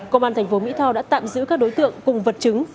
công an thành phố mỹ tho đã tạm giữ các đối tượng cùng vật chứng